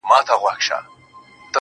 ژونده د څو انجونو يار يم، راته ووايه نو~